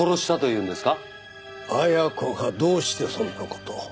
亜矢子がどうしてそんな事を。